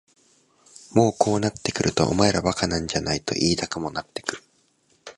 もうこうなってくるとお前ら馬鹿なんじゃないと言いたくもなってくる。